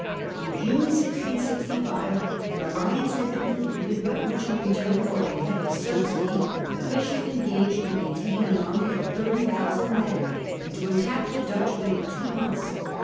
In June 1665 an alliance had been concluded by which, in return for a heavy sub sidy, the Bishop engaged to maintain an army of 30,000 men, and to attack the Dutch within two months.